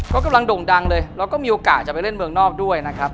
ก็กำลังโด่งดังเลยแล้วก็มีโอกาสจะไปเล่นเมืองนอกด้วยนะครับ